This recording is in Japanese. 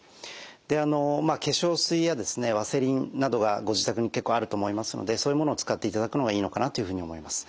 であの化粧水やですねワセリンなどがご自宅に結構あると思いますのでそういうものを使っていただくのがいいのかなというふうに思います。